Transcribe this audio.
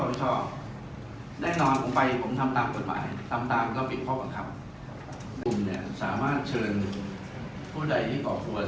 เพราะท่านประธานรู้สึกดี